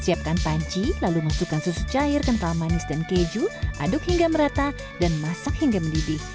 siapkan panci lalu masukkan susu cair kental manis dan keju aduk hingga merata dan masak hingga mendidih